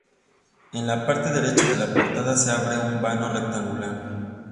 En la parte derecha de la portada se abre un vano rectangular.